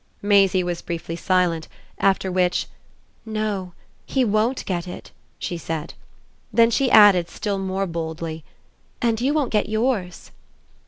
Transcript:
Maisie was briefly silent; after which, "No he won't get it," she said. Then she added still more boldly: "And you won't get yours."